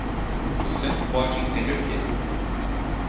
Você não pode entender que?